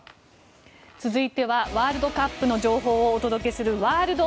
続いてはワールドカップの情報をお伝えするワールド！